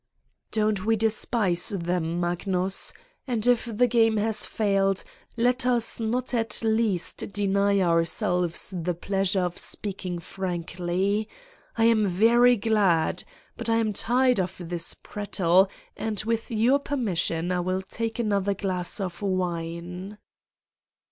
"Don't we despise them, Magnus! And if the game has failed, let us not at least deny ourselves the pleasure of speaking frankly. I am very glad. But I am tired of this prattle and, with your per mission, I will take another glass of wine."